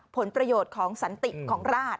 ผลประโยชน์ของสันติของราช